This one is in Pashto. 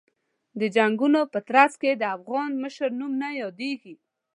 د جنګونو په ترڅ کې د افغان مشر نوم نه یادېږي.